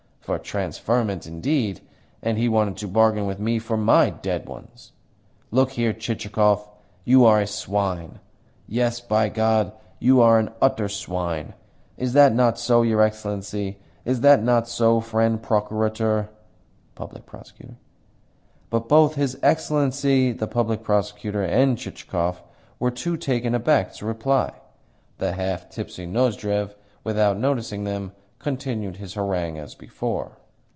For transferment, indeed! And he wanted to bargain with me for my DEAD ones! Look here, Chichikov. You are a swine! Yes, by God, you are an utter swine! Is not that so, your Excellency? Is not that so, friend Prokurator ?" But both his Excellency, the Public Prosecutor, and Chichikov were too taken aback to reply. The half tipsy Nozdrev, without noticing them, continued his harangue as before.